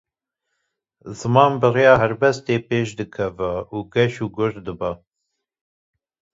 Ziman, bi rêya helbestê pêş dikeve û geş û gûr dibe.